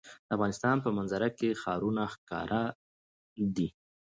د افغانستان په منظره کې ښارونه ښکاره ده.